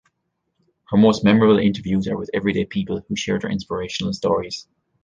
Her most memorable interviews are with everyday people who share their inspirational stories.